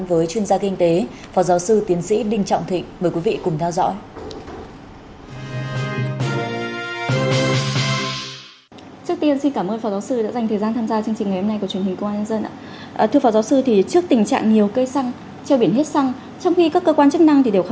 với chuyên gia kinh tế phó giáo sư tiến sĩ đinh trọng thịnh